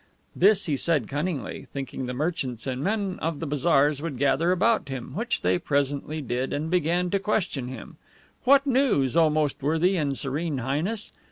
This he said cunningly, thinking the merchants and men of the bazaars would gather about him, which they presently did, and began to question him: "What news, O most worthy and serene Highness?